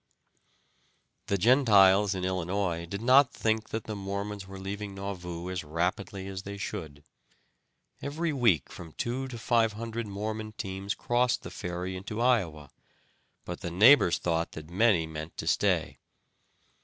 The Gentiles in Illinois did not think that the Mormons were leaving Nauvoo as rapidly as they should. Every week from two to five hundred Mormon teams crossed the ferry into Iowa, but the neighbors thought that many meant to stay.